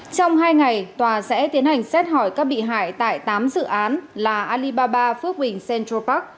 trong hai ngày tòa sẽ tiến hành xét hỏi các bị hại tại tám dự án là alibaba phước bình central park